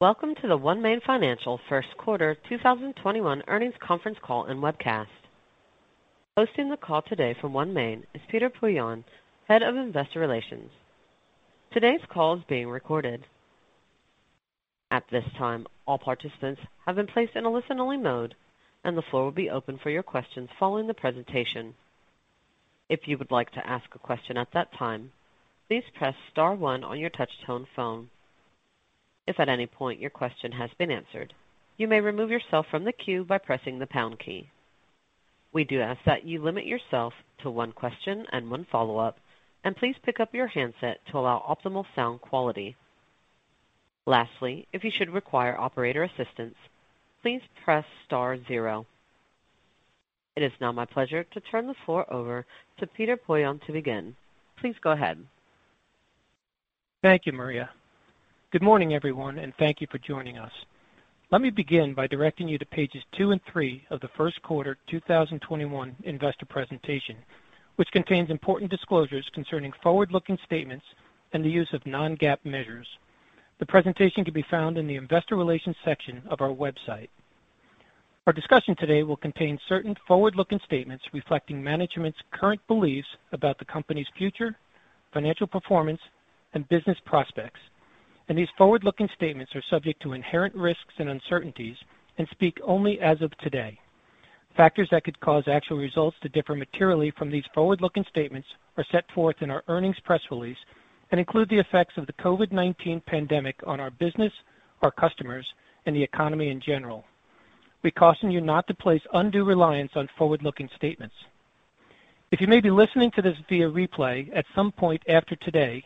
Welcome to the OneMain Financial first quarter 2021 earnings conference call and webcast. Hosting the call today from OneMain is Peter Poillon, Head of Investor Relations. Today's call is being recorded. At this time, all participants have been placed in a listen-only mode, and the floor will be open for your questions following the presentation. If you would like to ask a question at that time, please press star one on your touch-tone phone. If at any point your question has been answered, you may remove yourself from the queue by pressing the pound key. We do ask that you limit yourself to one question and one follow-up, and please pick up your handset to allow optimal sound quality. Lastly, if you should require operator assistance, please press star zero. It is now my pleasure to turn the floor over to Peter Poillon to begin. Please go ahead. Thank you, Maria. Good morning, everyone, and thank you for joining us. Let me begin by directing you to pages two and three of the first quarter 2021 investor presentation, which contains important disclosures concerning forward-looking statements and the use of non-GAAP measures. The presentation can be found in the investor relations section of our website. Our discussion today will contain certain forward-looking statements reflecting management's current beliefs about the company's future, financial performance, and business prospects. These forward-looking statements are subject to inherent risks and uncertainties and speak only as of today. Factors that could cause actual results to differ materially from these forward-looking statements are set forth in our earnings press release and include the effects of the COVID-19 pandemic on our business, our customers, and the economy in general. We caution you not to place undue reliance on forward-looking statements. If you may be listening to this via replay at some point after today,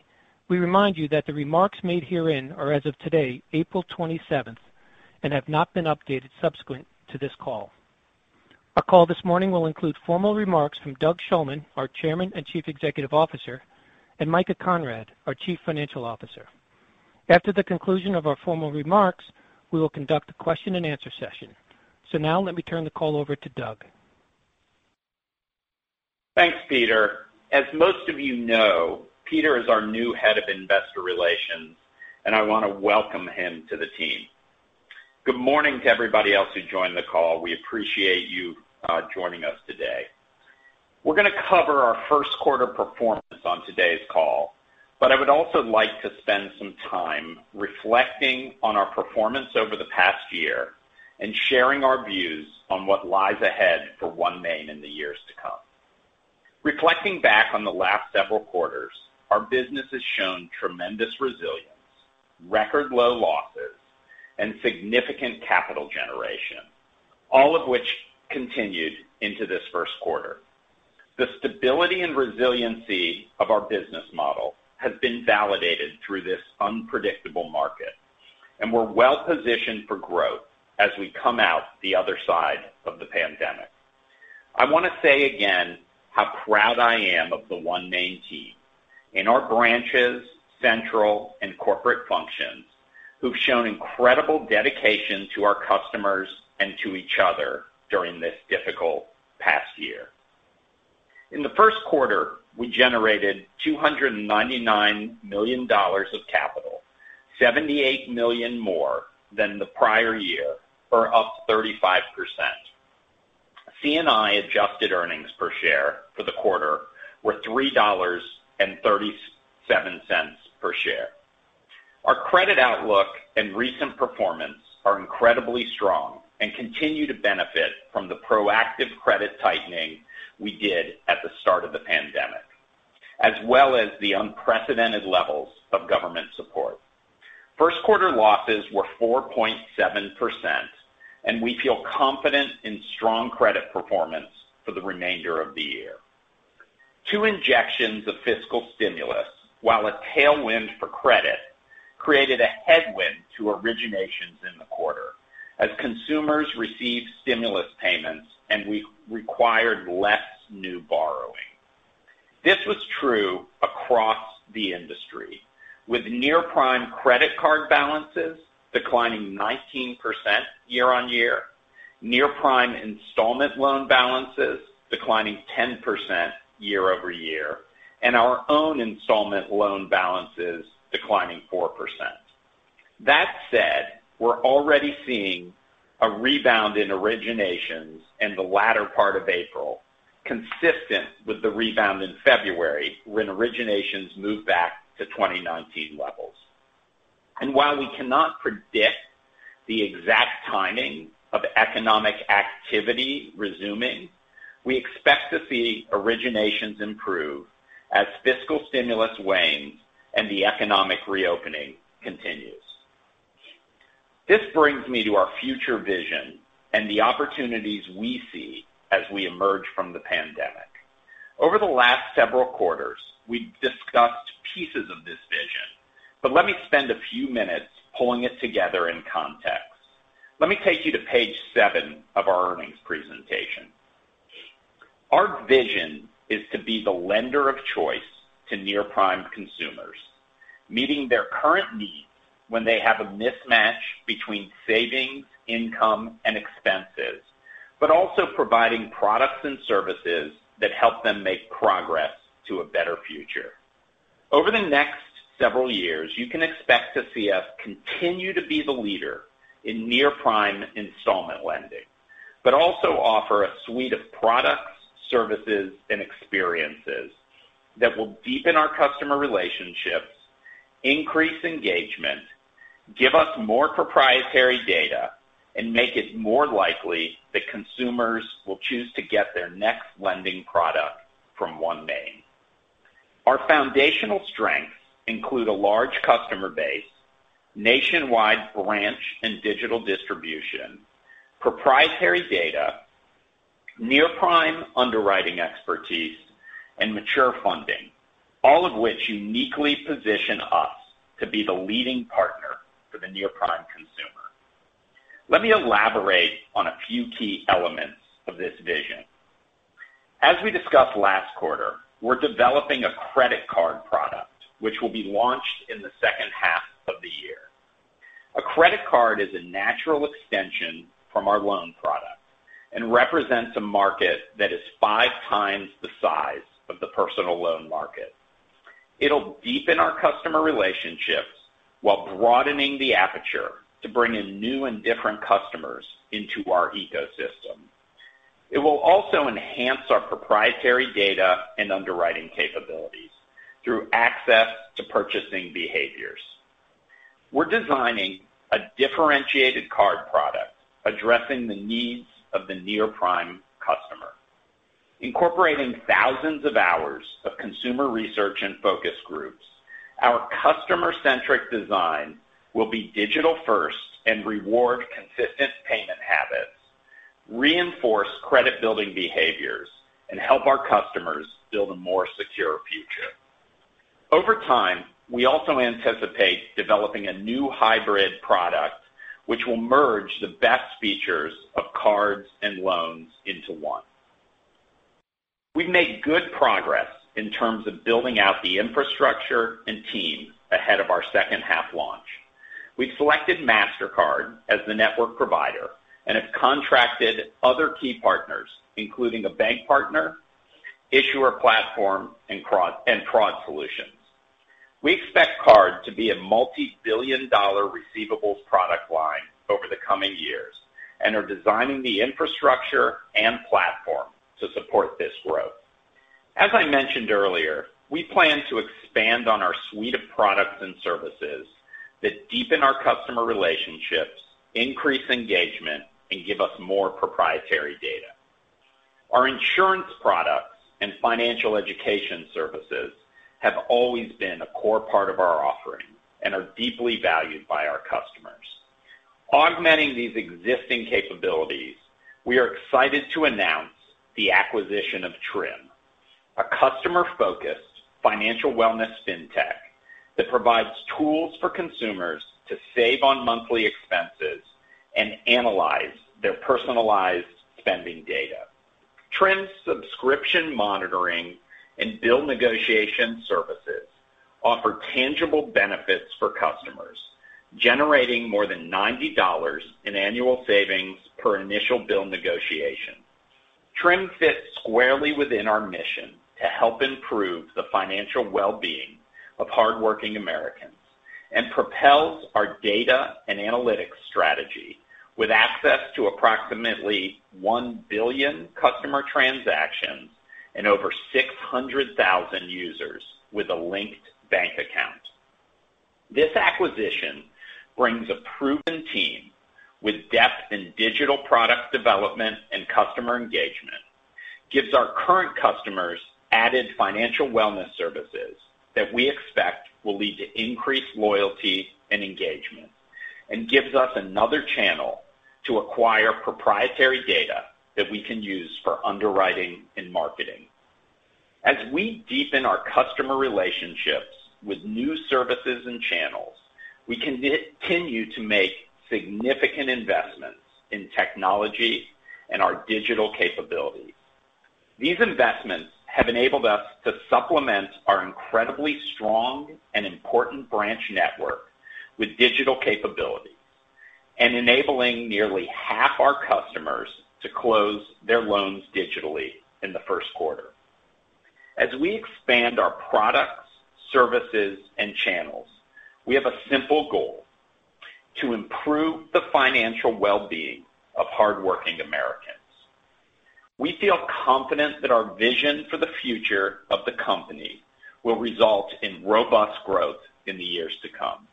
we remind you that the remarks made herein are as of today, April 27th, and have not been updated subsequent to this call. Our call this morning will include formal remarks from Doug Shulman, our Chairman and Chief Executive Officer, and Micah Conrad, our Chief Financial Officer. After the conclusion of our formal remarks, we will conduct a question-and-answer session. Now let me turn the call over to Doug. Thanks, Peter. As most of you know, Peter is our new Head of Investor Relations, and I want to welcome him to the team. Good morning to everybody else who joined the call. We appreciate you joining us today. We're going to cover our first quarter performance on today's call, but I would also like to spend some time reflecting on our performance over the past year and sharing our views on what lies ahead for OneMain in the years to come. Reflecting back on the last several quarters, our business has shown tremendous resilience, record low losses, and significant capital generation, all of which continued into this first quarter. The stability and resiliency of our business model has been validated through this unpredictable market, and we're well-positioned for growth as we come out the other side of the pandemic. I want to say again how proud I am of the OneMain team in our branches, central, and corporate functions, who've shown incredible dedication to our customers and to each other during this difficult past year. In the first quarter, we generated $299 million of capital, $78 million more than the prior year, or up 35%. C&I adjusted earnings per share for the quarter were $3.37 per share. Our credit outlook and recent performance are incredibly strong and continue to benefit from the proactive credit tightening we did at the start of the pandemic, as well as the unprecedented levels of government support. First quarter losses were 4.7%, and we feel confident in strong credit performance for the remainder of the year. Two injections of fiscal stimulus, while a tailwind for credit, created a headwind to originations in the quarter as consumers received stimulus payments and required less new borrowing. This was true across the industry. With near-prime credit card balances declining 19% year-on-year, near-prime installment loan balances declining 10% year-over-year, and our own installment loan balances declining 4%. That said, we're already seeing a rebound in originations in the latter part of April, consistent with the rebound in February, when originations moved back to 2019 levels. While we cannot predict the exact timing of economic activity resuming, we expect to see originations improve as fiscal stimulus wanes and the economic reopening continues. This brings me to our future vision and the opportunities we see as we emerge from the pandemic. Over the last several quarters, we've discussed pieces of this vision, but let me spend a few minutes pulling it together in context. Let me take you to Page seven of our earnings presentation. Our vision is to be the lender of choice to near-prime consumers, meeting their current needs when they have a mismatch between savings, income, and expenses. Also providing products and services that help them make progress to a better future. Over the next several years, you can expect to see us continue to be the leader in near-prime installment lending, but also offer a suite of products, services, and experiences that will deepen our customer relationships, increase engagement, give us more proprietary data, and make it more likely that consumers will choose to get their next lending product from OneMain. Our foundational strengths include a large customer base, nationwide branch and digital distribution, proprietary data, near-prime underwriting expertise, and mature funding, all of which uniquely position us to be the leading partner for the near-prime consumer. Let me elaborate on a few key elements of this vision. As we discussed last quarter, we're developing a credit card product which will be launched in the second half of the year. A credit card is a natural extension from our loan product and represents a market that is 5x the size of the personal loan market. It'll deepen our customer relationships while broadening the aperture to bring in new and different customers into our ecosystem. It will also enhance our proprietary data and underwriting capabilities through access to purchasing behaviors. We're designing a differentiated card product addressing the needs of the near-prime customer. Incorporating thousands of hours of consumer research and focus groups, our customer-centric design will be digital-first and reward consistent payment habits, reinforce credit-building behaviors, and help our customers build a more secure future. Over time, we also anticipate developing a new hybrid product, which will merge the best features of cards and loans into one. We've made good progress in terms of building out the infrastructure and team ahead of our second half launch. We've selected Mastercard as the network provider and have contracted other key partners, including a bank partner, issuer platform, and fraud solutions. We expect cards to be a multi-billion-dollar receivables product line over the coming years and are designing the infrastructure and platform to support this growth. As I mentioned earlier, we plan to expand on our suite of products and services that deepen our customer relationships, increase engagement, and give us more proprietary data. Our insurance products and financial education services have always been a core part of our offering and are deeply valued by our customers. Augmenting these existing capabilities, we are excited to announce the acquisition of Trim, a customer-focused financial wellness fintech that provides tools for consumers to save on monthly expenses and analyze their personalized spending data. Trim's subscription monitoring and bill negotiation services offer tangible benefits for customers, generating more than $90 in annual savings per initial bill negotiation. Trim fits squarely within our mission to help improve the financial well-being of hardworking Americans and propels our data and analytics strategy with access to approximately 1 billion customer transactions and over 600,000 users with a linked bank account. This acquisition brings a proven team with depth in digital product development and customer engagement, gives our current customers added financial wellness services that we expect will lead to increased loyalty and engagement, and gives us another channel to acquire proprietary data that we can use for underwriting and marketing. As we deepen our customer relationships with new services and channels, we continue to make significant investments in technology and our digital capabilities. These investments have enabled us to supplement our incredibly strong and important branch network with digital capabilities. Enabling nearly half our customers to close their loans digitally in the first quarter. As we expand our products, services, and channels, we have a simple goal: to improve the financial well-being of hardworking Americans. We feel confident that our vision for the future of the company will result in robust growth in the years to come.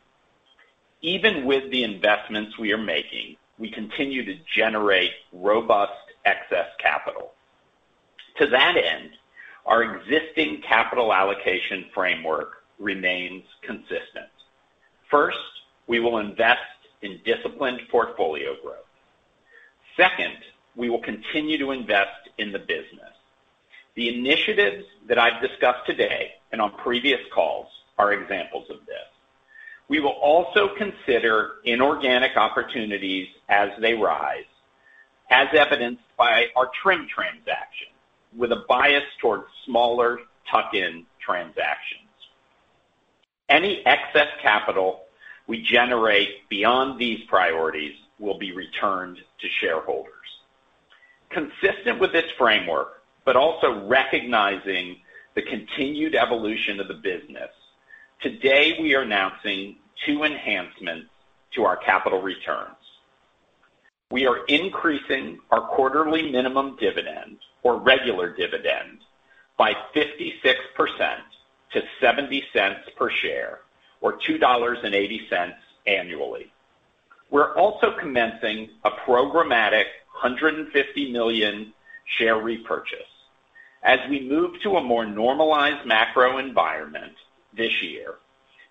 Even with the investments we are making, we continue to generate robust excess capital. To that end, our existing capital allocation framework remains consistent. First, we will invest in disciplined portfolio growth. Second, we will continue to invest in the business. The initiatives that I've discussed today and on previous calls are examples of this. We will also consider inorganic opportunities as they rise, as evidenced by our Trim transaction, with a bias towards smaller tuck-in transactions. Any excess capital we generate beyond these priorities will be returned to shareholders. Consistent with this framework, but also recognizing the continued evolution of the business, today we are announcing two enhancements to our capital returns. We are increasing our quarterly minimum dividend or regular dividend by 56% to $0.70 per share or $2.80 annually. We're also commencing a programmatic $150 million share repurchase. As we move to a more normalized macro environment this year,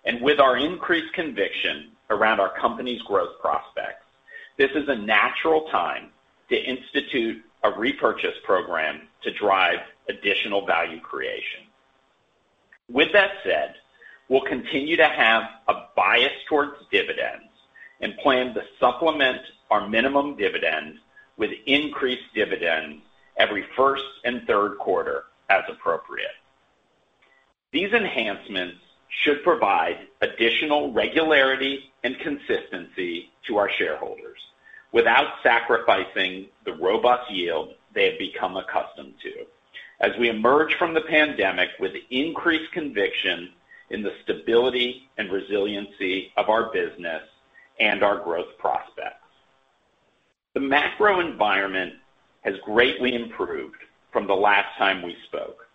and with our increased conviction around our company's growth prospects, this is a natural time to institute a repurchase program to drive additional value creation. With that said, we'll continue to have a bias towards dividends and plan to supplement our minimum dividend with increased dividends every first and third quarter as appropriate. These enhancements should provide additional regularity and consistency to our shareholders without sacrificing the robust yield they have become accustomed to as we emerge from the pandemic with increased conviction in the stability and resiliency of our business and our growth prospects. The macro environment has greatly improved from the last time we spoke.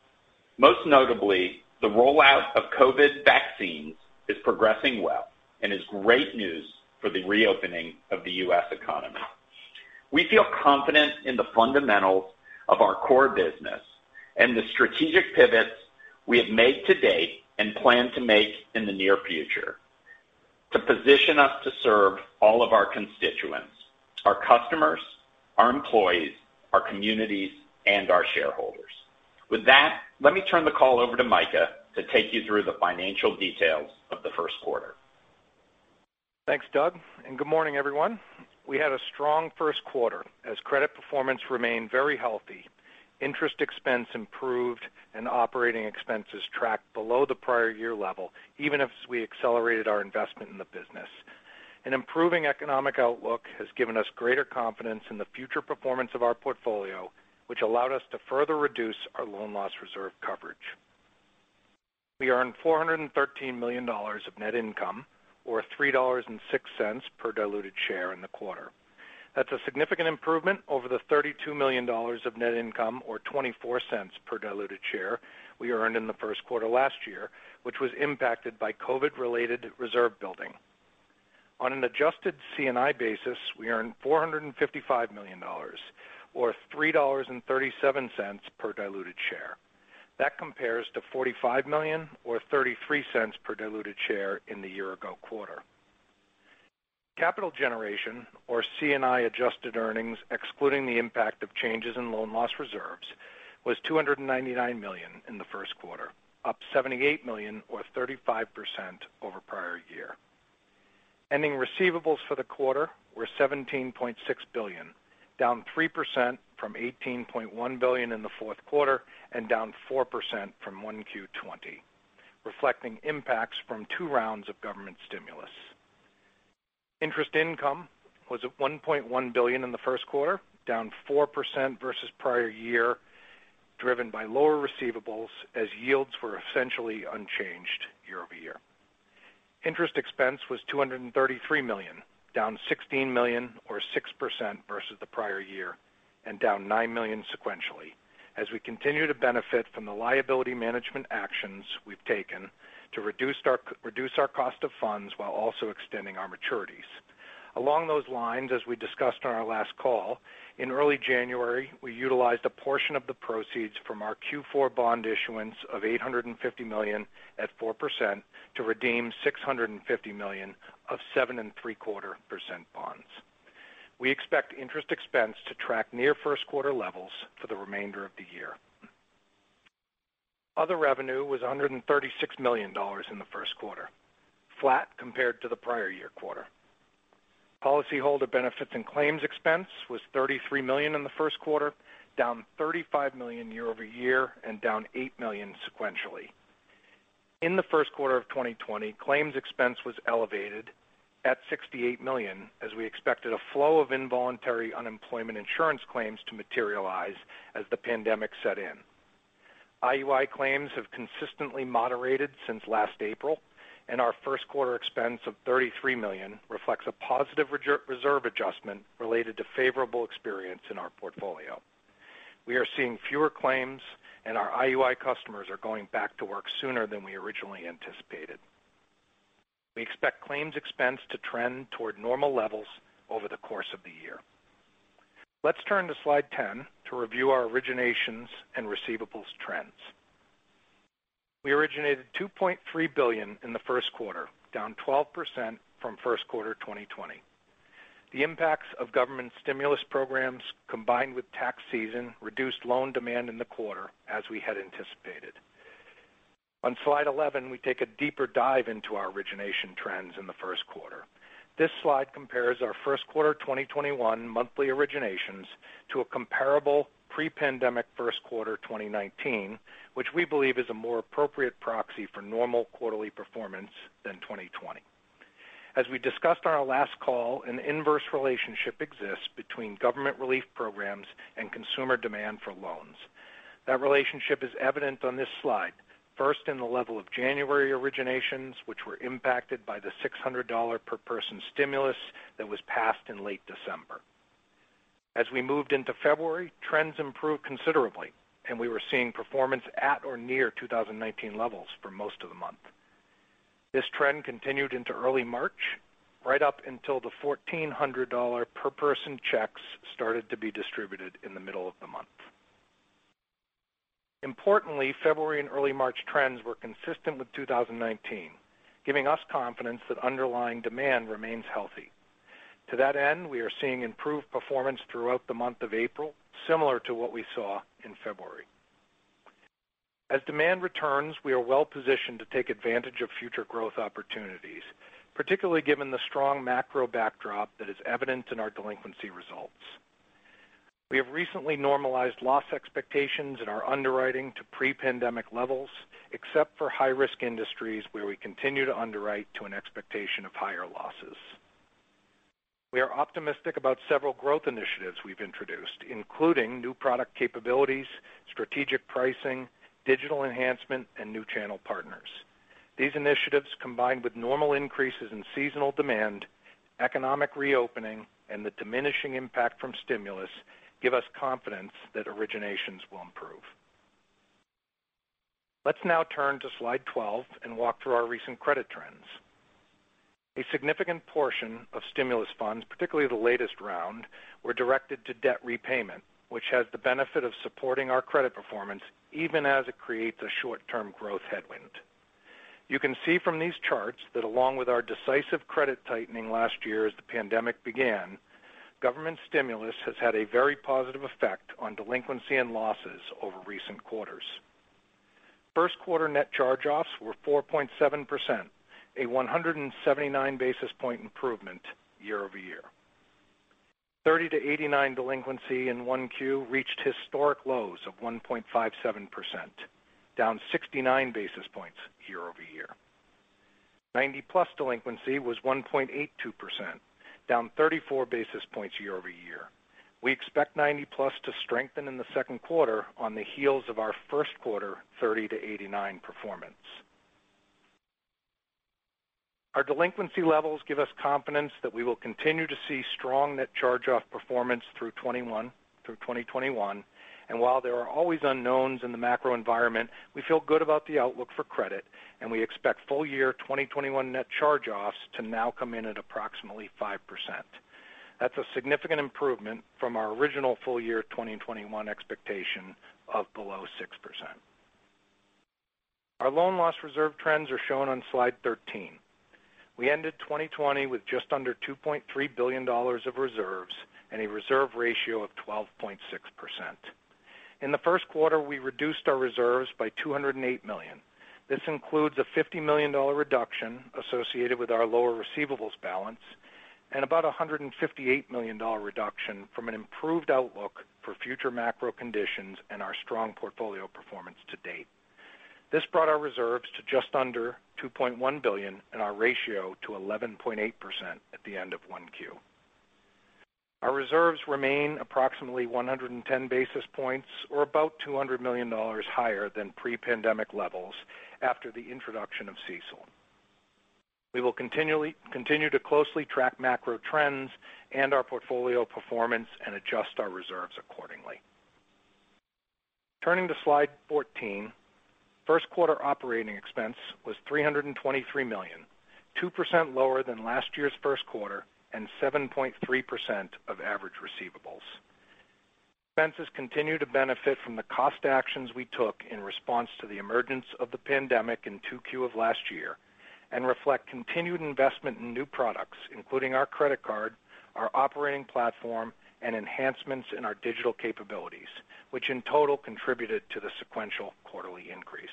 Most notably, the rollout of COVID vaccines is progressing well and is great news for the reopening of the U.S. economy. We feel confident in the fundamentals of our core business and the strategic pivots we have made to date and plan to make in the near future to position us to serve all of our constituents, our customers, our employees, our communities, and our shareholders. With that, let me turn the call over to Micah to take you through the financial details of the first quarter. Thanks, Doug. Good morning, everyone. We had a strong first quarter as credit performance remained very healthy, interest expense improved, and operating expenses tracked below the prior year level, even as we accelerated our investment in the business. An improving economic outlook has given us greater confidence in the future performance of our portfolio, which allowed us to further reduce our loan loss reserve coverage. We earned $413 million of net income or $3.06 per diluted share in the quarter. That's a significant improvement over the $32 million of net income or $0.24 per diluted share we earned in the first quarter last year, which was impacted by COVID-19-related reserve building. On an adjusted C&I basis, we earned $455 million or $3.37 per diluted share. That compares to $45 million or $0.33 per diluted share in the year-ago quarter. Capital generation or C&I adjusted earnings, excluding the impact of changes in loan loss reserves, was $299 million in the first quarter, up $78 million or 35% over prior year. Ending receivables for the quarter were $17.6 billion, down 3% from $18.1 billion in the fourth quarter and down 4% from Q1 2020, reflecting impacts from two rounds of government stimulus. Interest income was at $1.1 billion in the first quarter, down 4% versus prior year, driven by lower receivables as yields were essentially unchanged year-over-year. Interest expense was $233 million, down $16 million or 6% versus the prior year, and down $9 million sequentially as we continue to benefit from the liability management actions we've taken to reduce our cost of funds while also extending our maturities. Along those lines, as we discussed on our last call, in early January, we utilized a portion of the proceeds from our Q4 bond issuance of $850 million at 4% to redeem $650 million of 7.75% bonds. We expect interest expense to track near first-quarter levels for the remainder of the year. Other revenue was $136 million in the first quarter, flat compared to the prior year quarter. Policyholder benefits and claims expense was $33 million in the first quarter, down $35 million year-over-year and down $8 million sequentially. In the first quarter of 2020, claims expense was elevated at $68 million as we expected a flow of involuntary unemployment insurance claims to materialize as the pandemic set in. IUI claims have consistently moderated since last April, and our first quarter expense of $33 million reflects a positive reserve adjustment related to favorable experience in our portfolio. We are seeing fewer claims, our IUI customers are going back to work sooner than we originally anticipated. We expect claims expense to trend toward normal levels over the course of the year. Let's turn to Slide 10 to review our originations and receivables trends. We originated $2.3 billion in the first quarter, down 12% from first quarter 2020. The impacts of government stimulus programs, combined with tax season, reduced loan demand in the quarter as we had anticipated. On Slide 11, we take a deeper dive into our origination trends in the first quarter. This slide compares our first quarter 2021 monthly originations to a comparable pre-pandemic first quarter 2019, which we believe is a more appropriate proxy for normal quarterly performance than 2020. As we discussed on our last call, an inverse relationship exists between government relief programs and consumer demand for loans. That relationship is evident on this slide, first in the level of January originations, which were impacted by the $600 per person stimulus that was passed in late December. As we moved into February, trends improved considerably, and we were seeing performance at or near 2019 levels for most of the month. This trend continued into early March, right up until the $1,400 per person checks started to be distributed in the middle of the month. Importantly, February and early March trends were consistent with 2019, giving us confidence that underlying demand remains healthy. To that end, we are seeing improved performance throughout the month of April, similar to what we saw in February. As demand returns, we are well-positioned to take advantage of future growth opportunities, particularly given the strong macro backdrop that is evident in our delinquency results. We have recently normalized loss expectations in our underwriting to pre-pandemic levels, except for high-risk industries where we continue to underwrite to an expectation of higher losses. We are optimistic about several growth initiatives we've introduced, including new product capabilities, strategic pricing, digital enhancement, and new channel partners. These initiatives, combined with normal increases in seasonal demand, economic reopening, and the diminishing impact from stimulus, give us confidence that originations will improve. Let's now turn to Slide 12 and walk through our recent credit trends. A significant portion of stimulus funds, particularly the latest round, were directed to debt repayment, which has the benefit of supporting our credit performance even as it creates a short-term growth headwind. You can see from these charts that along with our decisive credit tightening last year as the pandemic began, government stimulus has had a very positive effect on delinquency and losses over recent quarters. First quarter net charge-offs were 4.7%, a 179 basis point improvement year-over-year. 30-89 delinquency in 1Q reached historic lows of 1.57%, down 69 basis points year-over-year. 90+ delinquency was 1.82%, down 34 basis points year-over-year. We expect 90+ to strengthen in the second quarter on the heels of our first quarter 30-89 performance. Our delinquency levels give us confidence that we will continue to see strong net charge-off performance through 2021. While there are always unknowns in the macro environment, we feel good about the outlook for credit, and we expect full-year 2021 net charge-offs to now come in at approximately 5%. That's a significant improvement from our original full year 2021 expectation of below 6%. Our loan loss reserve trends are shown on Slide 13. We ended 2020 with just under $2.3 billion of reserves and a reserve ratio of 12.6%. In the first quarter, we reduced our reserves by $208 million. This includes a $50 million reduction associated with our lower receivables balance and about $158 million reduction from an improved outlook for future macro conditions and our strong portfolio performance to date. This brought our reserves to just under $2.1 billion and our ratio to 11.8% at the end of 1Q. Our reserves remain approximately 110 basis points or about $200 million higher than pre-pandemic levels after the introduction of CECL. We will continue to closely track macro trends and our portfolio performance and adjust our reserves accordingly. Turning to Slide 14, first quarter operating expense was $323 million, 2% lower than last year's first quarter and 7.3% of average receivables. Expenses continue to benefit from the cost actions we took in response to the emergence of the pandemic in 2Q of last year and reflect continued investment in new products, including our credit card, our operating platform, and enhancements in our digital capabilities, which in total contributed to the sequential quarterly increase.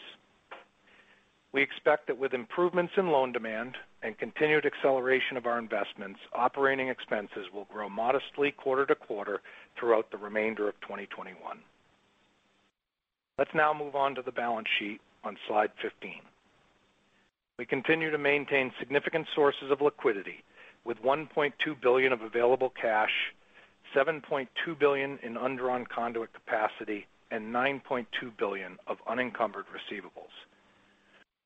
We expect that with improvements in loan demand and continued acceleration of our investments, operating expenses will grow modestly quarter-to-quarter throughout the remainder of 2021. Let's now move on to the balance sheet on slide 15. We continue to maintain significant sources of liquidity with $1.2 billion of available cash, $7.2 billion in undrawn conduit capacity, and $9.2 billion of unencumbered receivables.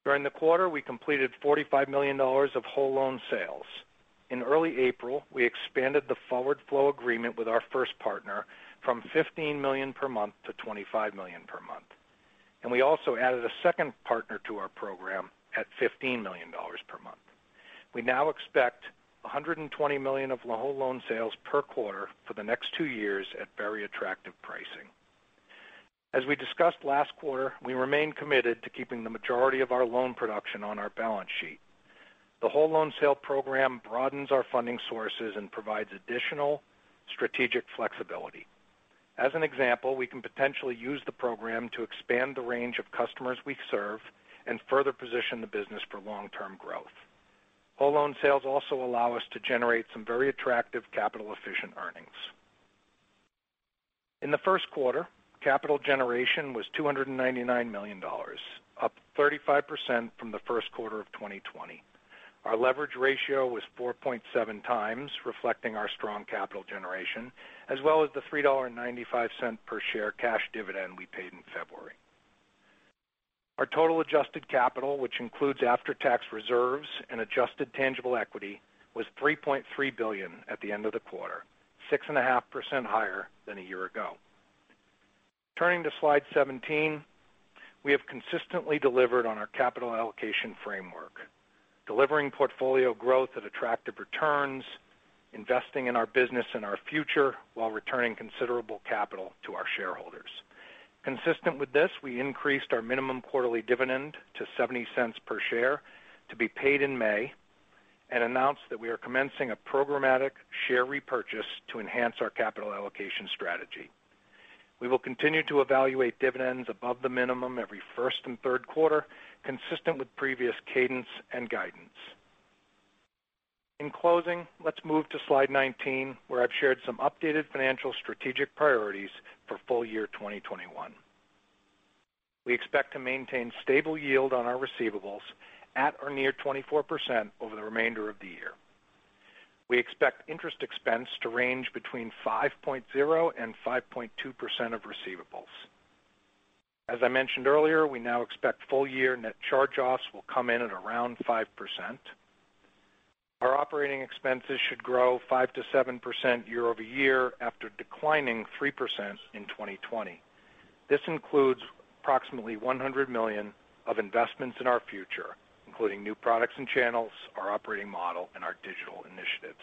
During the quarter, we completed $45 million of whole loan sales. In early April, we expanded the forward flow agreement with our first partner from $15 million per month to $25 million per month, and we also added a second partner to our program at $15 million per month. We now expect $120 million of whole loan sales per quarter for the next two years at very attractive pricing. As we discussed last quarter, we remain committed to keeping the majority of our loan production on our balance sheet. The whole loan sale program broadens our funding sources and provides additional strategic flexibility. As an example, we can potentially use the program to expand the range of customers we serve and further position the business for long-term growth. Whole loan sales also allow us to generate some very attractive capital-efficient earnings. In the first quarter, capital generation was $299 million, up 35% from the first quarter of 2020. Our leverage ratio was 4.7x, reflecting our strong capital generation, as well as the $3.95 per share cash dividend we paid in February. Our total adjusted capital, which includes after-tax reserves and adjusted tangible equity, was $3.3 billion at the end of the quarter, 6.5% higher than a year ago. Turning to Slide 17, we have consistently delivered on our capital allocation framework, delivering portfolio growth at attractive returns, investing in our business and our future while returning considerable capital to our shareholders. Consistent with this, we increased our minimum quarterly dividend to $0.70 per share to be paid in May and announced that we are commencing a programmatic share repurchase to enhance our capital allocation strategy. We will continue to evaluate dividends above the minimum every first and third quarter, consistent with previous cadence and guidance. In closing, let's move to Slide 19, where I've shared some updated financial strategic priorities for full-year 2021. We expect to maintain stable yield on our receivables at or near 24% over the remainder of the year. We expect interest expense to range between 5.0% and 5.2% of receivables. As I mentioned earlier, we now expect full-year net charge-offs will come in at around 5%. Our operating expenses should grow 5%-7% year-over-year after declining 3% in 2020. This includes approximately $100 million of investments in our future, including new products and channels, our operating model, and our digital initiatives.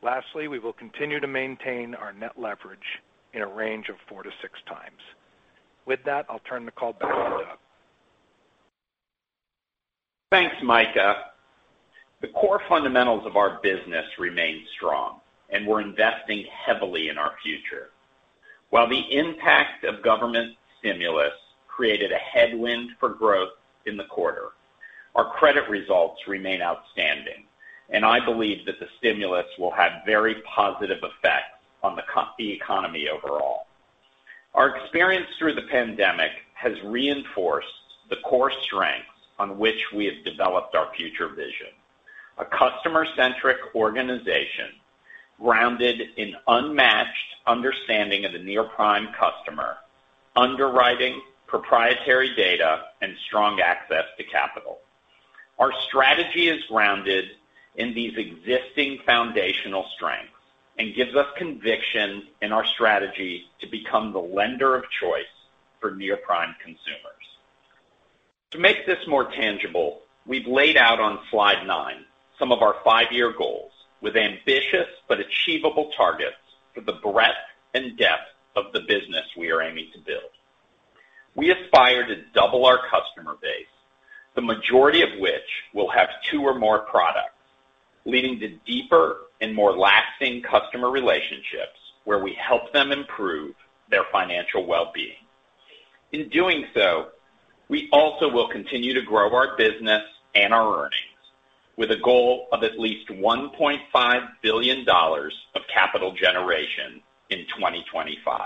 Lastly, we will continue to maintain our net leverage in a range of four to 6x. With that, I'll turn the call back to Doug. Thanks, Micah. The core fundamentals of our business remain strong, and we're investing heavily in our future. While the impact of government stimulus created a headwind for growth in the quarter, our credit results remain outstanding, and I believe that the stimulus will have a very positive effect on the economy overall. Our experience through the pandemic has reinforced the core strengths on which we have developed our future vision. A customer-centric organization grounded in unmatched understanding of the near-prime customer, underwriting proprietary data, and strong access to capital. Our strategy is grounded in these existing foundational strengths and gives us conviction in our strategy to become the lender of choice for near-prime consumers. To make this more tangible, we've laid out on Slide nine some of our five-year goals with ambitious but achievable targets for the breadth and depth of the business we are aiming to build. We aspire to double our customer base, the majority of which will have two or more products, leading to deeper and more lasting customer relationships where we help them improve their financial well-being. In doing so, we also will continue to grow our business and our earnings with a goal of at least $1.5 billion of capital generation in 2025.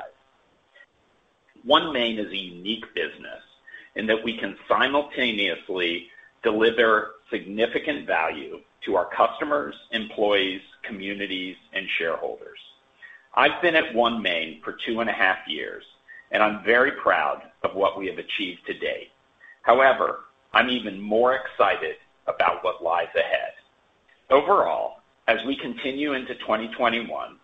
OneMain is a unique business in that we can simultaneously deliver significant value to our customers, employees, communities, and shareholders. I've been at OneMain for two and a half years, and I'm very proud of what we have achieved to date. However, I'm even more excited about what lies ahead. Overall, as we continue into 2021,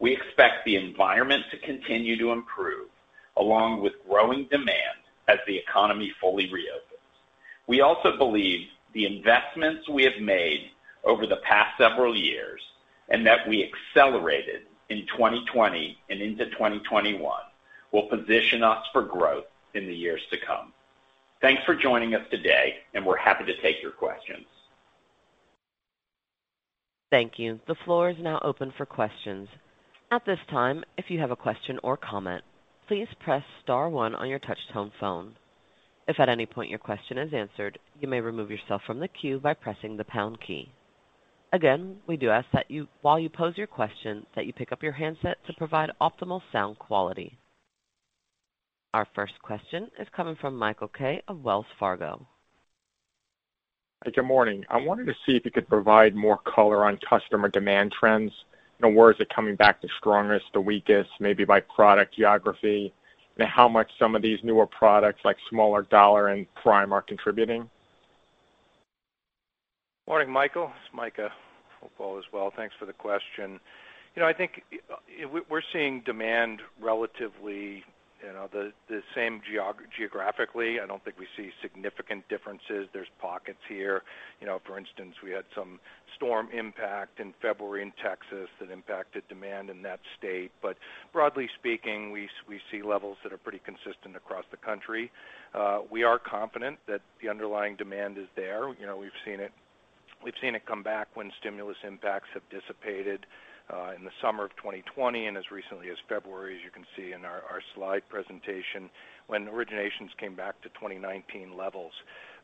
we expect the environment to continue to improve, along with growing demand as the economy fully reopens. We also believe the investments we have made over the past several years and that we accelerated in 2020 and into 2021 will position us for growth in the years to come. Thanks for joining us today, and we're happy to take your questions. Thank you. The floor is now open for questions. At this time, if you have a question or comment, please press star one on your touch-tone phone. If at any point your question is answered, you may remove yourself from the queue by pressing the pound key. Again, we do ask that while you pose your question, that you pick up your handset to provide optimal sound quality. Our first question is coming from Michael Kaye of Wells Fargo. Good morning. I wanted to see if you could provide more color on customer demand trends. Where is it coming back the strongest, the weakest, maybe by product geography, and how much some of these newer products, like smaller dollar and prime, are contributing? Morning, Michael. It's Micah Conrad as well. Thanks for the question. I think we're seeing demand relatively the same geographically. I don't think we see significant differences. There's pockets here. For instance, we had some storm impact in February in Texas that impacted demand in that state. Broadly speaking, we see levels that are pretty consistent across the country. We are confident that the underlying demand is there. We've seen it come back when stimulus impacts have dissipated, in the summer of 2020 and as recently as February, as you can see in our slide presentation when originations came back to 2019 levels.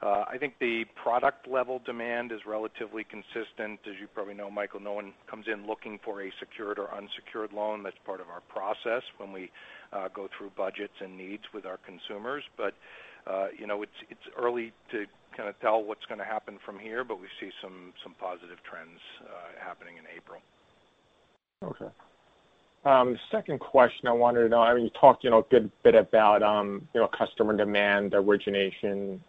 I think the product level demand is relatively consistent. As you probably know, Michael, no one comes in looking for a secured or unsecured loan. That's part of our process when we go through budgets and needs with our consumers. It's early to tell what's going to happen from here. We see some positive trends happening in April. Okay. Second question I wanted to know. You talked a good bit about customer demand, origination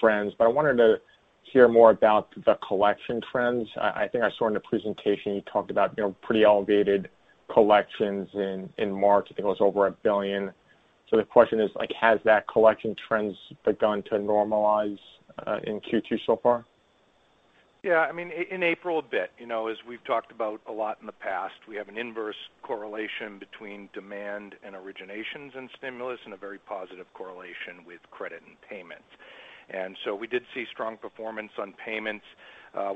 trends, but I wanted to hear more about the collection trends. I think I saw in the presentation you talked about pretty elevated collections in March. I think it was over $1 billion. The question is, has that collection trends begun to normalize in Q2 so far? Yeah. In April a bit. As we've talked about a lot in the past, we have an inverse correlation between demand and originations and stimulus, and a very positive correlation with credit and payments. We did see strong performance on payments.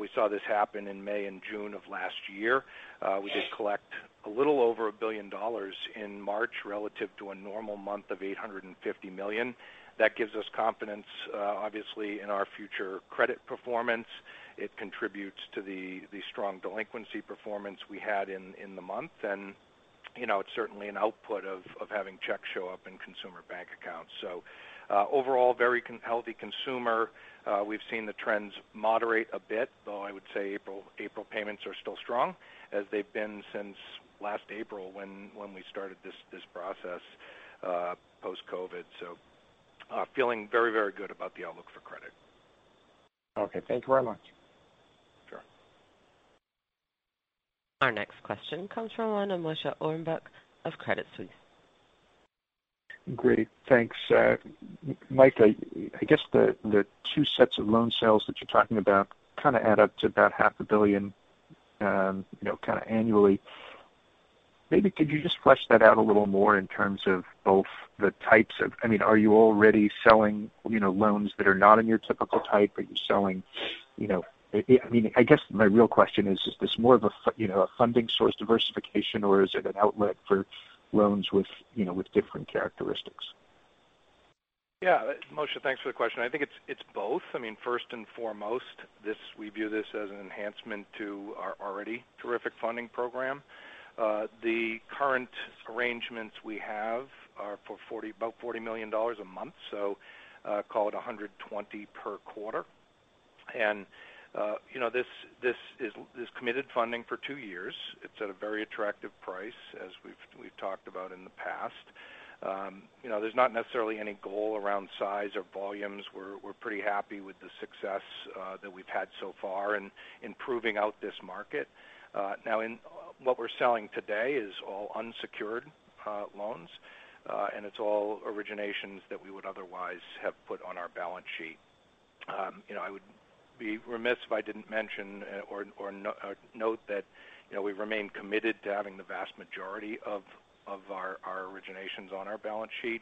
We saw this happen in May and June of last year. We did collect a little over $1 billion in March relative to a normal month of $850 million. That gives us confidence, obviously, in our future credit performance. It contributes to the strong delinquency performance we had in the month, and it's certainly an output of having checks show up in consumer bank accounts. Overall, very healthy consumer. We've seen the trends moderate a bit, although I would say April payments are still strong as they've been since last April when we started this process post-COVID-19. Feeling very good about the outlook for credit. Okay. Thank you very much. Sure. Our next question comes from line of Moshe Orenbuch of Credit Suisse. Great. Thanks. Micah, I guess the two sets of loan sales that you're talking about kind of add up to about half a billion kind of annually. Maybe could you just flesh that out a little more in terms of both the types of. Are you already selling loans that are not in your typical type? Are you selling? I guess my real question is: Is this more of a funding source diversification, or is it an outlet for loans with different characteristics? Yeah. Moshe, thanks for the question. I think it's both. First and foremost, we view this as an enhancement to our already terrific funding program. The current arrangements we have are for about $40 million a month, so call it $120 million per quarter. This is committed funding for two years. It's at a very attractive price, as we've talked about in the past. There's not necessarily any goal around size or volumes. We're pretty happy with the success that we've had so far in proving out this market. Now, what we're selling today is all unsecured loans, and it's all originations that we would otherwise have put on our balance sheet. I would be remiss if I didn't mention or note that we remain committed to having the vast majority of our originations on our balance sheet.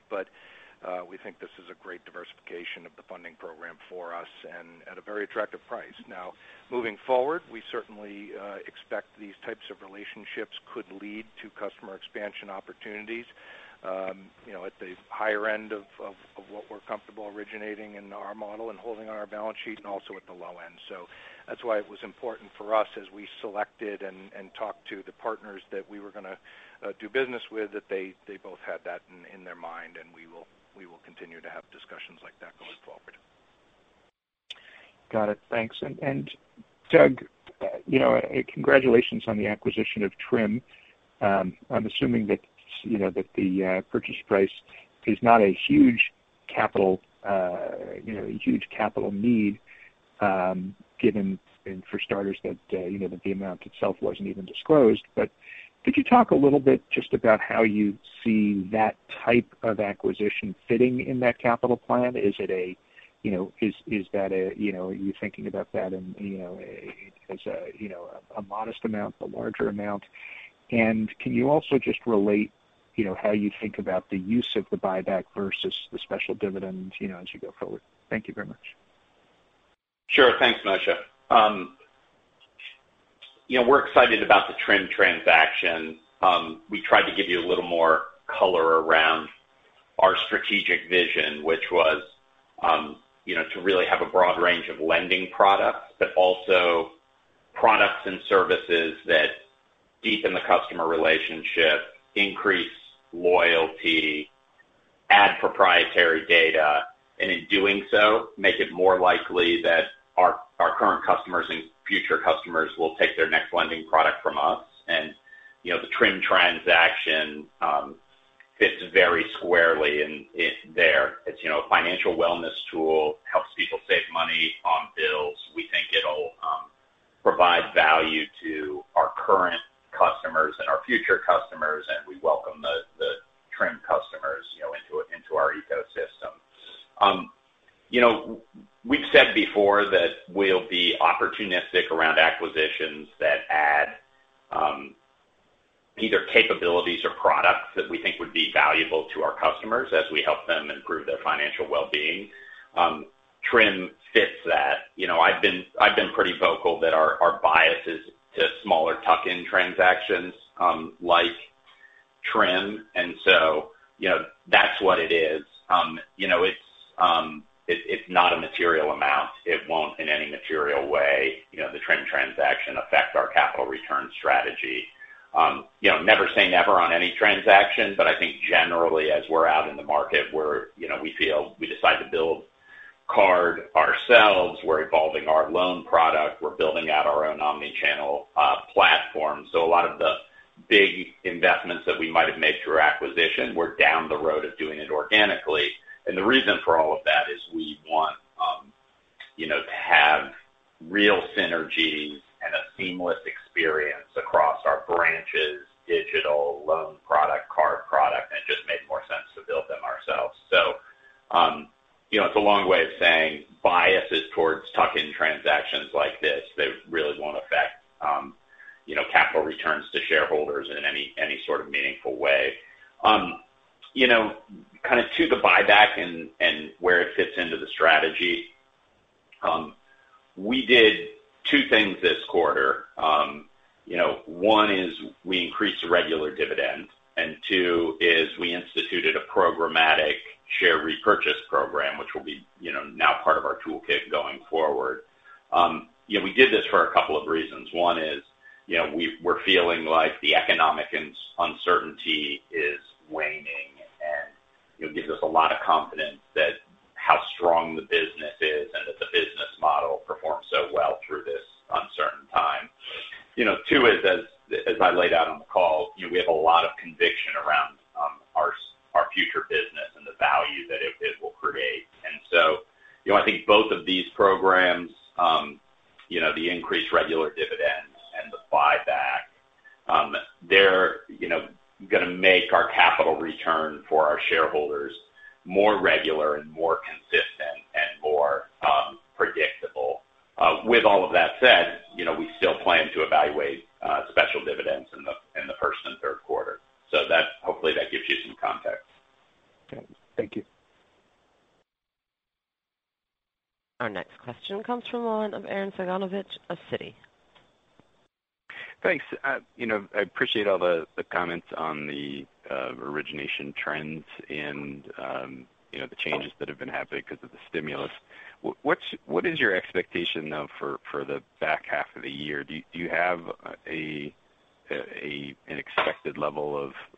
We think this is a great diversification of the funding program for us and at a very attractive price. Now, moving forward, we certainly expect these types of relationships could lead to customer expansion opportunities at the higher end of what we're comfortable originating in our model and holding on our balance sheet and also at the low end. That's why it was important for us as we selected and talked to the partners that we were going to do business with, that they both had that in their mind, and we will continue to have discussions like that going forward. Got it. Thanks. Doug, congratulations on the acquisition of Trim. I'm assuming that the purchase price is not a huge capital need given for starters, that the amount itself wasn't even disclosed. Could you talk a little bit just about how you see that type of acquisition fitting in that capital plan? Are you thinking about that as a modest amount, a larger amount? Can you also just relate how you think about the use of the buyback versus the special dividend as you go forward? Thank you very much. Sure. Thanks, Moshe. We're excited about the Trim transaction. We tried to give you a little more color around our strategic vision, which was to really have a broad range of lending products, but also products and services that deepen the customer relationship, increase loyalty, add proprietary data. In doing so, make it more likely that our current customers and future customers will take their next lending product from us. The Trim transaction fits very squarely in there. It's a financial wellness tool. It helps people save money on bills. We think it'll provide value to our current customers and our future customers, and we welcome the Trim customers into our ecosystem. We've said before that we'll be opportunistic around acquisitions that add either capabilities or products that we think would be valuable to our customers as we help them improve their financial wellbeing. Trim fits that. I've been pretty vocal that our bias is to smaller tuck-in transactions like Trim, and so that's what it is. It's not a material amount. It won't, in any material way, the Trim transaction, affect our capital return strategy. Never say never on any transaction, but I think generally as we're out in the market, we feel. We decide to build card ourselves. We're evolving our loan product. We're building out our own omni-channel platform. A lot of the big investments that we might've made through acquisition, we're down the road of doing it organically. The reason for all of that is we want to have real synergies and a seamless experience across our branches, digital loan product, card product, and it just made more sense to build them ourselves. It's a long way of saying bias is towards tuck-in transactions like this. They really won't affect capital returns to shareholders in any sort of meaningful way. Kind of to the buyback and where it fits into the strategy. We did two things this quarter. One is we increased the regular dividend, and two is we instituted a programmatic share repurchase program, which will be now part of our toolkit going forward. We did this for a couple of reasons. One is we're feeling like the economic uncertainty is waning, and it gives us a lot of confidence that how strong the business is and that the business model performed so well through this uncertain time. Two is, as I laid out on the call, we have a lot of conviction around our future business and the value that it will create. I think both of these programs, the increased regular dividends and the buyback, they're going to make our capital return for our shareholders more regular and more consistent and more predictable. With all of that said, we still plan to evaluate special dividends in the first and third quarter. That hopefully that gives you some context. Okay. Thank you. Our next question comes from the line of Arren Cyganovich of Citi. Thanks. I appreciate all the comments on the origination trends and the changes that have been happening because of the stimulus. What is your expectation, though, for the back half of the year? Do you have an expected level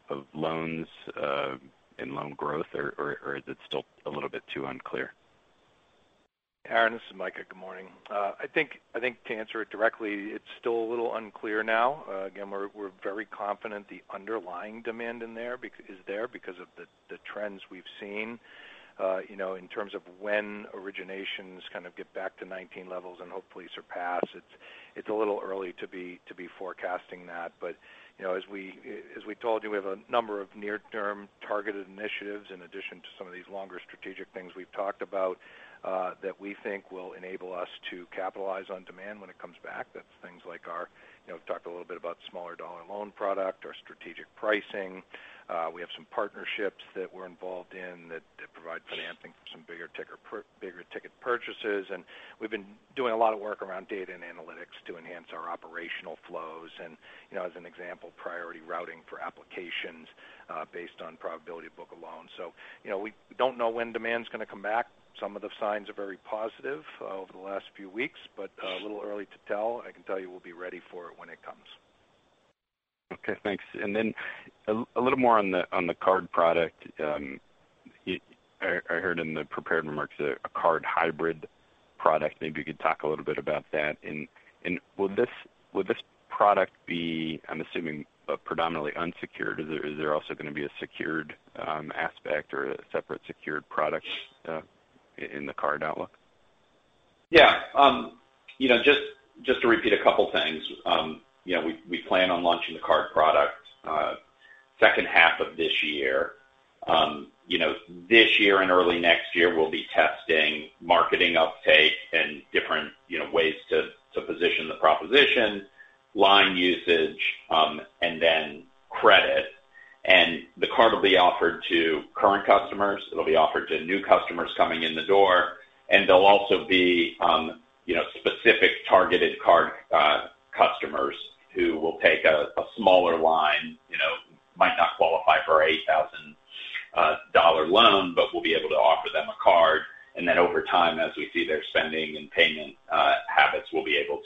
of loans and loan growth, or is it still a little bit too unclear? Arren, this is Micah. Good morning. I think to answer it directly, it's still a little unclear now. We're very confident the underlying demand is there because of the trends we've seen. In terms of when originations kind of get back to 2019 levels and hopefully surpass, it's a little early to be forecasting that. As we told you, we have a number of near-term targeted initiatives in addition to some of these longer strategic things we've talked about that we think will enable us to capitalize on demand when it comes back. That's things like we've talked a little bit about smaller dollar loan product, our strategic pricing. We have some partnerships that we're involved in that provide financing for some bigger ticket purchases, and we've been doing a lot of work around data and analytics to enhance our operational flows and, as an example, priority routing for applications based on probability of book of loans. We don't know when demand's going to come back. Some of the signs are very positive over the last few weeks, but a little early to tell. I can tell you we'll be ready for it when it comes. Okay, thanks. A little more on the card product. I heard in the prepared remarks a card hybrid product. Maybe you could talk a little bit about that, and will this product be, I'm assuming, predominantly unsecured? Is there also going to be a secured aspect or a separate secured product in the card outlook? Yeah. `Just to repeat a couple things. We plan on launching the card product second half of this year. This year and early next year, we'll be testing marketing uptake and different ways to position the proposition, line usage, then credit. The card will be offered to current customers. It'll be offered to new customers coming in the door. They'll also be specific targeted card customers who will take a smaller line. Might not qualify for our $8,000 loan, but we'll be able to offer them a card. Then over time, as we see their spending and payment habits, we'll be able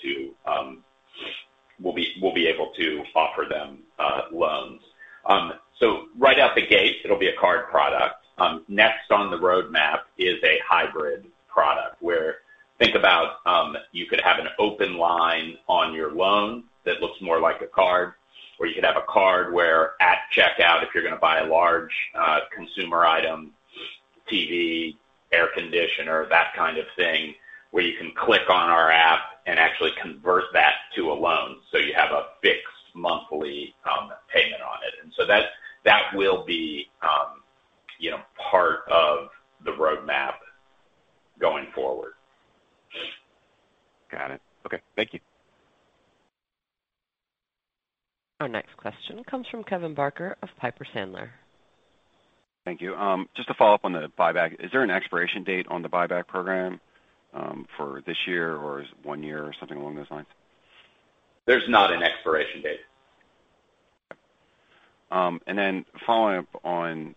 to offer them loans. Right out the gate, it'll be a card product. Next on the roadmap is a hybrid product where think about you could have an open line on your loan that looks more like a card, or you could have a card where at checkout, if you're going to buy a large consumer item, TV, air conditioner, that kind of thing, where you can click on our app and actually convert that to a loan so you have a fixed monthly payment on it. Okay. Thank you. Our next question comes from Kevin Barker of Piper Sandler. Thank you. Just to follow-up on the buyback. Is there an expiration date on the buyback program for this year, or is it one year or something along those lines? There's not an expiration date. Following up on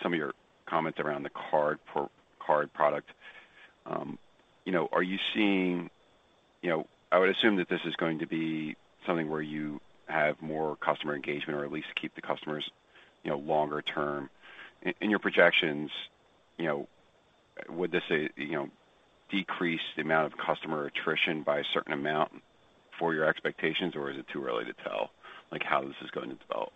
some of your comments around the card product. I would assume that this is going to be something where you have more customer engagement or at least keep the customers longer-term. In your projections, would this decrease the amount of customer attrition by a certain amount for your expectations, or is it too early to tell how this is going to develop?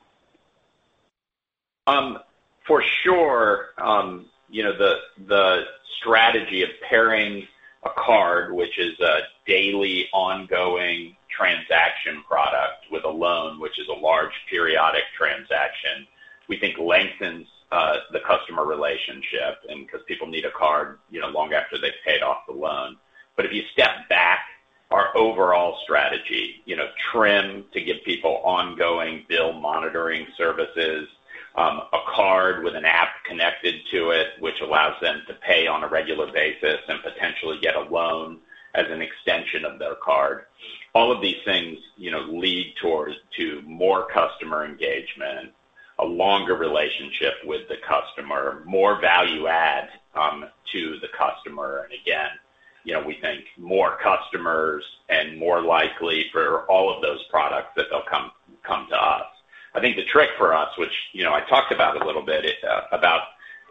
For sure. The strategy of pairing a card, which is a daily ongoing transaction product with a loan, which is a large periodic transaction, we think lengthens the customer relationship. Because people need a card long after they've paid off the loan. If you step back, our overall strategy, Trim, to give people ongoing bill monitoring services, a card with an app connected to it, which allows them to pay on a regular basis and potentially get a loan as an extension of their card, all of these things lead towards to more customer engagement, a longer relationship with the customer, more value add to the customer. Again, we think more customers and more likely for all of those products that they'll come to us. I think the trick for us, which I talked about a little bit, about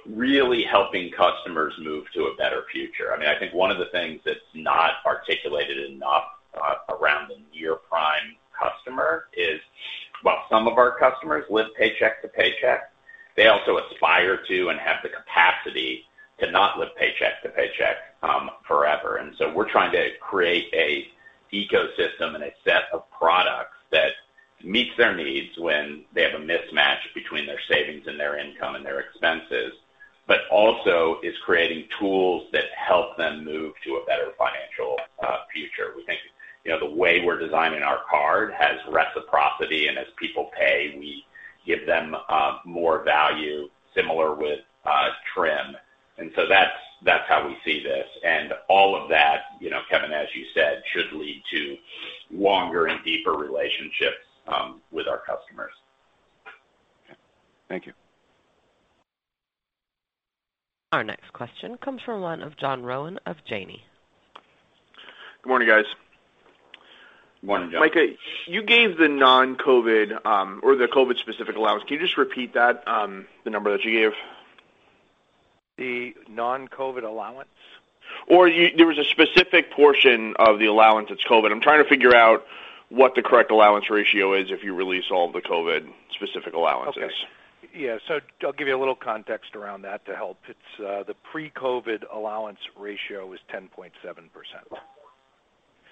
really helping customers move to a better future. I think one of the things that's not articulated enough around the near-prime customer is, while some of our customers live paycheck to paycheck, they also aspire to and have the capacity to not live paycheck to paycheck forever. We're trying to create a ecosystem and a set of products that meets their needs when they have a mismatch between their savings and their income and their expenses, but also is creating tools that help them move to a better financial future. We think the way we're designing our card has reciprocity, and as people pay, we give them more value, similar with Trim. That's how we see this. All of that, Kevin, as you said, should lead to longer and deeper relationships with our customers. Okay. Thank you. Our next question comes from the line of John Rowan of Janney. Good morning, guys. Good morning, John. Micah, you gave the non-COVID or the COVID-specific allowance. Can you just repeat that, the number that you gave? The non-COVID allowance? There was a specific portion of the allowance that's COVID. I'm trying to figure out what the correct allowance ratio is if you release all of the COVID-specific allowances. Okay. Yeah. I'll give you a little context around that to help. The pre-COVID allowance ratio is 10.7%.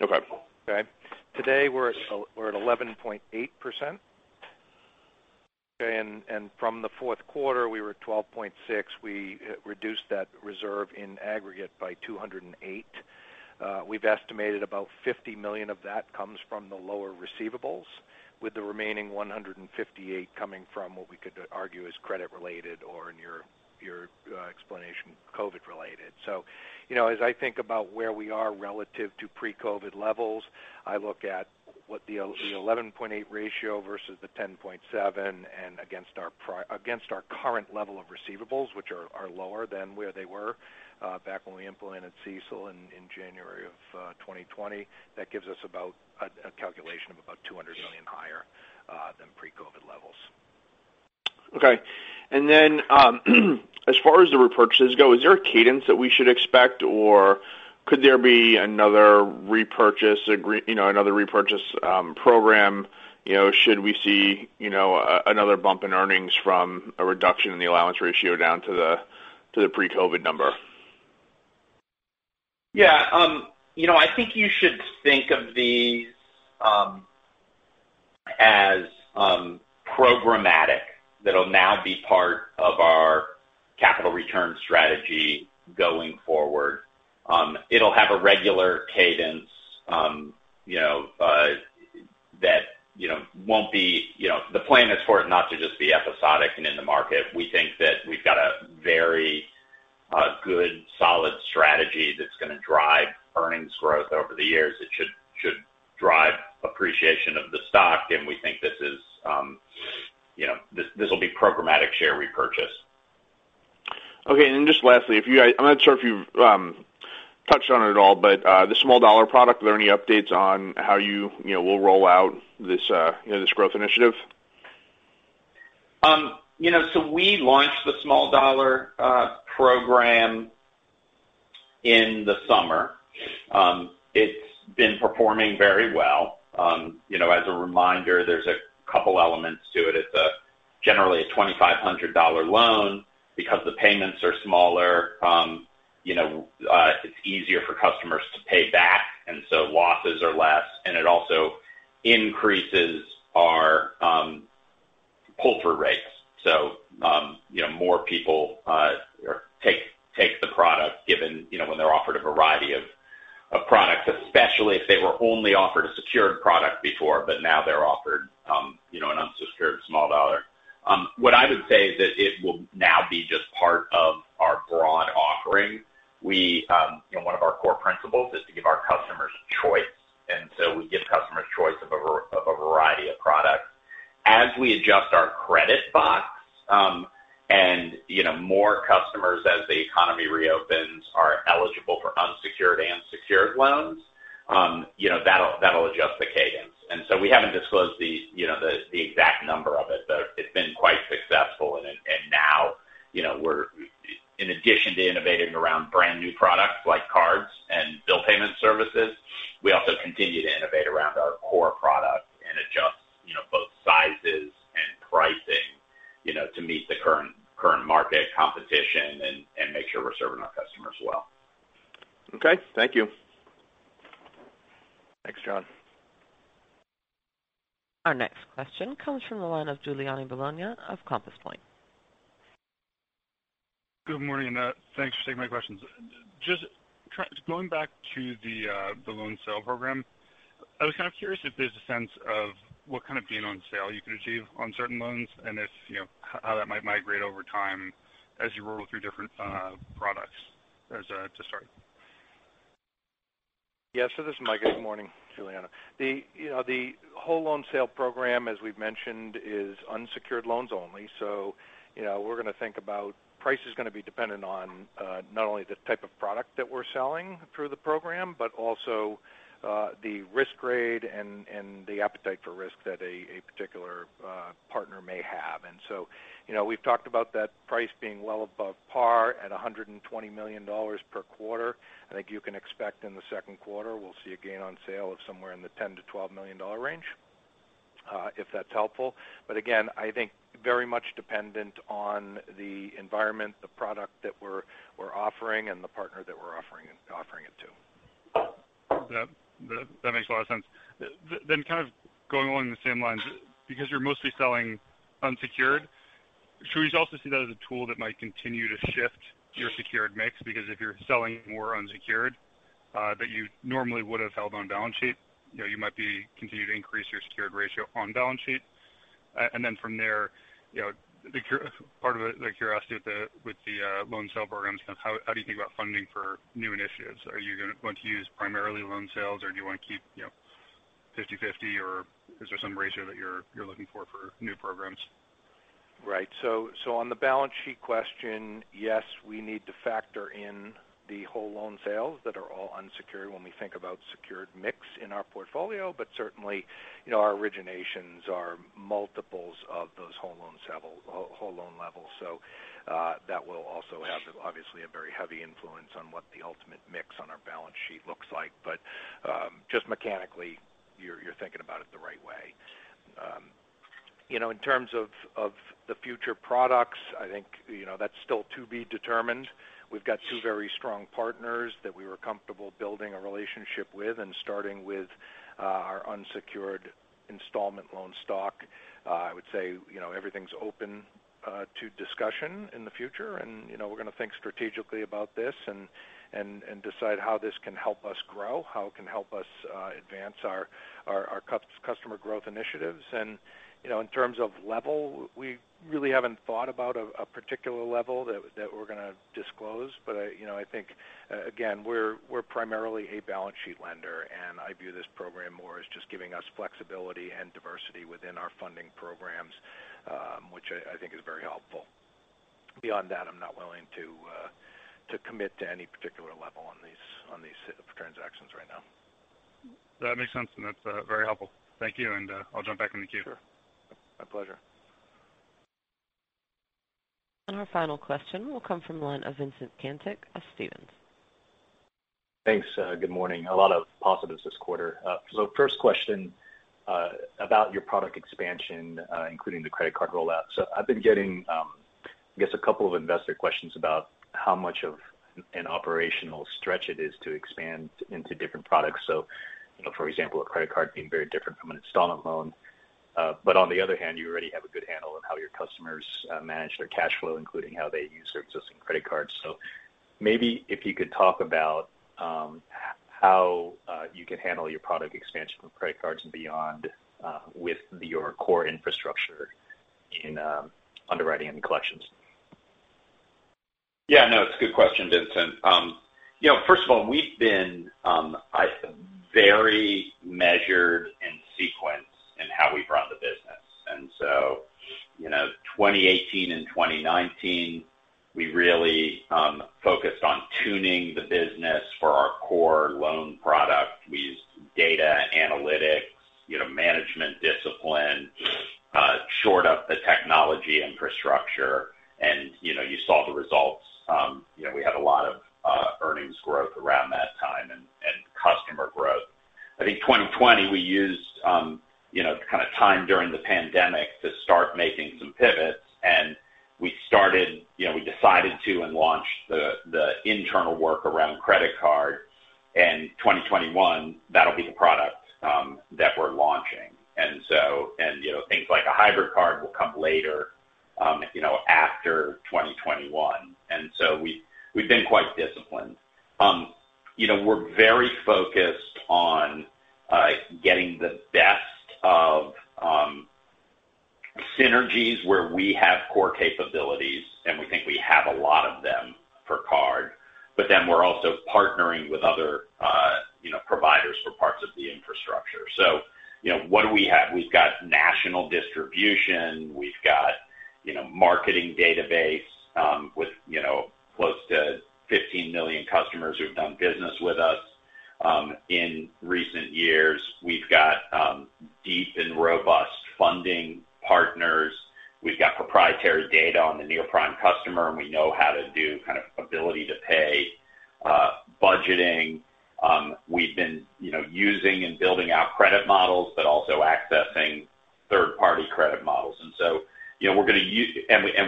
Okay. Okay. Today we're at 11.8%. Okay. From the fourth quarter, we were at 12.6%. We reduced that reserve in aggregate by $208. We've estimated about $50 million of that comes from the lower receivables, with the remaining $158 coming from what we could argue is credit related or in your explanation, COVID related. As I think about where we are relative to pre-COVID levels, I look at what the 11.8% ratio versus the 10.7% and against our current level of receivables, which are lower than where they were back when we implemented CECL in January of 2020. That gives us about a calculation of about $200 million higher than pre-COVID levels. Okay. As far as the repurchases go, is there a cadence that we should expect, or could there be another repurchase program should we see another bump in earnings from a reduction in the allowance ratio down to the pre-COVID number? Yeah. I think you should think of these as programmatic that'll now be part of our capital return strategy going forward. It'll have a regular cadence. The plan is for it not to just be episodic and in the market. We think that we've got a very good solid strategy that's going to drive earnings growth over the years that should drive appreciation of the stock. We think this'll be programmatic share repurchase. Okay. Then just lastly, I'm not sure if you've touched on it at all, but the small-dollar product, are there any updates on how you will roll out this growth initiative? We launched the small dollar program in the summer. It's been performing very well. As a reminder, there's a couple elements to it. It's generally a $2,500 loan. Because the payments are smaller it's easier for customers to pay back, losses are less, it also increases our pull-through rates. More people take the product when they're offered a variety of products, especially if they were only offered a secured product before now they're offered an unsecured small dollar. What I would say is that it will now be just part of our broad offering. One of our core principles is to give our customers choice, we give customers choice of a variety of products. As we adjust our credit box and more customers as the economy reopens are eligible for unsecured and secured loans, that'll adjust the cadence. We haven't disclosed the exact number of it but it's been quite successful. Now, in addition to innovating around brand new products like cards and bill payment services, we also continue to innovate around our core product and adjust both sizes and pricing to meet the current market competition and make sure we're serving our customers well. Okay. Thank you. Thanks, John. Our next question comes from the line of Giuliano Bologna of Compass Point. Good morning. Thanks for taking my questions. Just going back to the loan sale program. I was kind of curious if there's a sense of what kind of gain on sale you can achieve on certain loans and how that might migrate over time as you roll through different products to start. This is Micah. Good morning, Giuliano. The whole loan sale program, as we've mentioned, is unsecured loans only. We're going to think about price is going to be dependent on not only the type of product that we're selling through the program, but also the risk grade and the appetite for risk that a particular partner may have. We've talked about that price being well above par at $120 million per quarter. I think you can expect in the second quarter we'll see a gain on sale of somewhere in the $10 million-$12 million range, if that's helpful. Again, I think very much dependent on the environment, the product that we're offering, and the partner that we're offering it to. That makes a lot of sense. Kind of going along the same lines because you're mostly selling unsecured. Should we also see that as a tool that might continue to shift your secured mix? Because if you're selling more unsecured that you normally would have held on balance sheet you might be continuing to increase your secured ratio on balance sheet. From there, part of the curiosity with the loan sale programs, how do you think about funding for new initiatives? Are you going to want to use primarily loan sales or do you want to keep 50/50 or is there some ratio that you're looking for new programs? Right. On the balance sheet question, yes, we need to factor in the whole loan sales that are all unsecured when we think about secured mix in our portfolio. Certainly our originations are multiples of those whole loan levels. That will also have obviously a very heavy influence on what the ultimate mix on our balance sheet looks like. Just mechanically you're thinking about it the right way. In terms of the future products, I think that's still to be determined. We've got two very strong partners that we were comfortable building a relationship with and starting with our unsecured installment loan stock. I would say everything's open to discussion in the future and we're going to think strategically about this and decide how this can help us grow, how it can help us advance our customer growth initiatives. In terms of level, we really haven't thought about a particular level that we're going to disclose. I think again, we're primarily a balance sheet lender and I view this program more as just giving us flexibility and diversity within our funding programs which I think is very helpful. Beyond that, I'm not willing to commit to any particular level on these transactions right now. That makes sense and that's very helpful. Thank you and I'll jump back in the queue. Sure. My pleasure. Our final question will come from the line of Vincent Caintic of Stephens. Thanks. Good morning. A lot of positives this quarter. First question about your product expansion including the credit card rollout. I've been getting I guess a couple of investor questions about how much of an operational stretch it is to expand into different products. For example, a credit card being very different from an installment loan. On the other hand you already have a good handle on how your customers manage their cash flow including how they use their existing credit cards. Maybe if you could talk about how you can handle your product expansion with credit cards and beyond with your core infrastructure in underwriting and collections. Yeah. No, it's a good question, Vincent. First of all, we've been very measured and sequenced in how we run the business. 2018 and 2019 we really focused on tuning the business for our core loan product. We used data analytics, management discipline, shored up the technology infrastructure and you saw the results. We had a lot of earnings growth around that time and customer growth. I think 2020 we used time during the pandemic to start making some pivots and we decided to and launched the internal work around credit card. 2021, that'll be the product that we're launching. Things like a hybrid card will come later after 2021. We've been quite disciplined. We're very focused on getting the best of synergies where we have core capabilities, and we think we have a lot of them for card. We're also partnering with other providers for parts of the infrastructure. What do we have? We've got national distribution. We've got marketing database with close to 15 million customers who've done business with us in recent years. We've got deep and robust funding partners. We've got proprietary data on the near-prime customer, and we know how to do ability to pay budgeting. We've been using and building out credit models, but also accessing third-party credit models.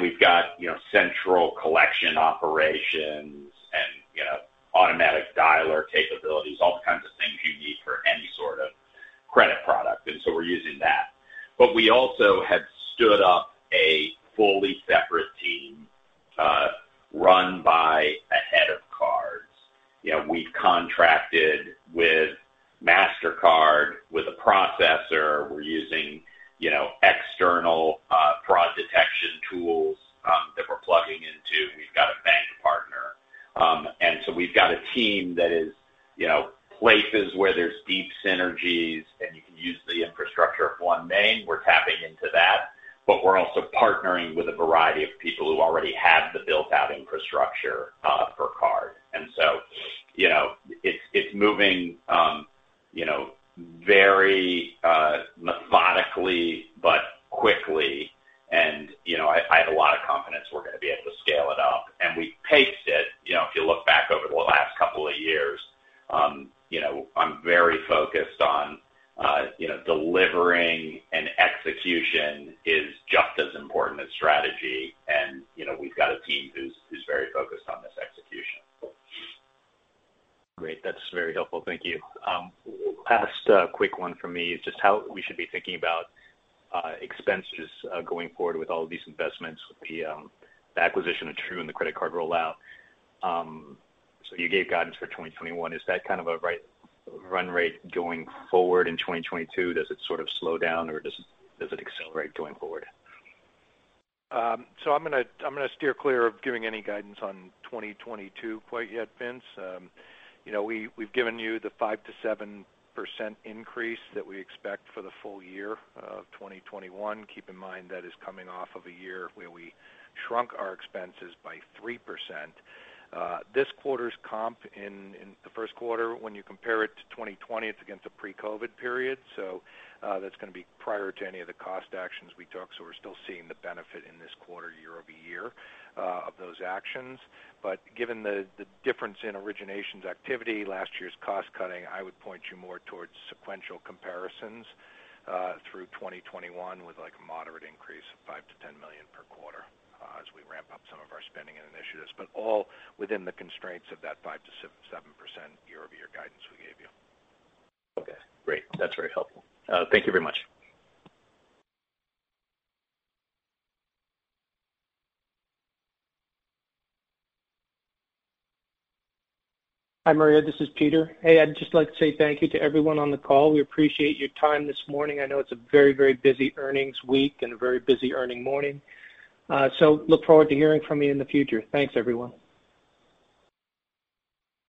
We've got central collection operations and automatic dialer capabilities, all the kinds of things you need for any sort of credit product. We're using that. We also have stood up a fully separate team run by a head of cards. We've contracted with Mastercard, with a processor. We're using external fraud detection tools that we're plugging into. We've got a bank partner. We've got a team that is places where there's deep synergies and you can use the infrastructure of OneMain, we're tapping into that. We're also partnering with a variety of people who already have the built-out infrastructure for card. It's moving very methodically but quickly, and I have a lot of confidence we're going to be able to scale it up. I paced it. If you look back over the last couple of years, I'm very focused on delivering, and execution is just as important as strategy, and we've got a team who's very focused on this execution. Great. That's very helpful. Thank you. Last quick one from me is just how we should be thinking about expenses going forward with all of these investments with the acquisition of Trim and the credit card rollout. You gave guidance for 2021. Is that kind of a run rate going forward in 2022? Does it sort of slow down, or does it accelerate going forward? I'm going to steer clear of giving any guidance on 2022 quite yet, Vincent. We've given you the 5%-7% increase that we expect for the full-year of 2021. Keep in mind that is coming off of a year where we shrunk our expenses by 3%. This quarter's comp in the first quarter, when you compare it to 2020, it's against a pre-COVID period. That's going to be prior to any of the cost actions we took. We're still seeing the benefit in this quarter year-over-year of those actions. Given the difference in originations activity, last year's cost cutting, I would point you more towards sequential comparisons through 2021 with a moderate increase of $5 million-$10 million per quarter as we ramp up some of our spending and initiatives, but all within the constraints of that 5%-7% year-over-year guidance we gave you. Okay, great. That's very helpful. Thank you very much. Hi, Maria, this is Peter. Hey, I'd just like to say thank you to everyone on the call. We appreciate your time this morning. I know it's a very busy earnings week and a very busy earning morning. Look forward to hearing from you in the future. Thanks, everyone.